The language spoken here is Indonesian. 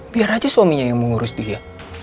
biar aja suaminya yang mengurus dia